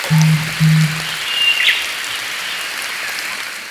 ستا تر کړکۍ لاندي به په سرو اوښکو کي غلی وي -